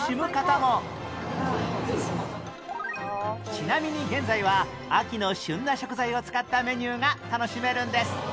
ちなみに現在は秋の旬な食材を使ったメニューが楽しめるんです